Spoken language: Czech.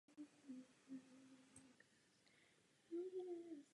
Vybíral si poezii čelních bojovníků za národní a lidskou svobodu.